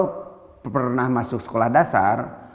kalau pernah masuk sekolah dasar